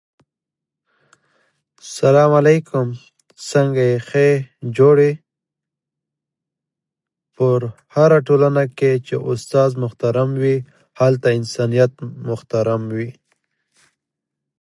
په هره ټولنه کي چي استاد محترم وي، هلته انسانیت محترم وي..